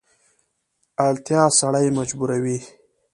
اړتیا سړی مجبوروي.